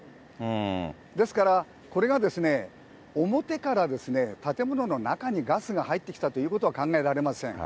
ですから、これが表から建物の中にガスが入ってきたということは考えられません。